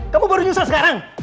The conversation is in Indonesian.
kamu baru nyesel sekarang